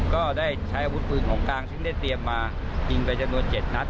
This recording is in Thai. ก็ได้ใช้อาวุธปืนของกลางซึ่งได้เตรียมมายิงไปจำนวน๗นัด